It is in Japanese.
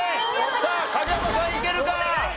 さあ影山さんいけるか？